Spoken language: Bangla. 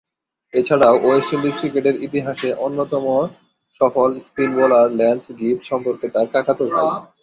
এছাড়াও ওয়েস্ট ইন্ডিজ ক্রিকেটের ইতিহাসে অন্যতম সফল স্পিন বোলার ল্যান্স গিবস সম্পর্কে তার কাকাতো ভাই।